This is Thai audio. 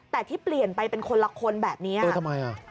แต่ที่เปลี่ยนไปเป็นคนละคนแบบนี้ทำไมอ่ะ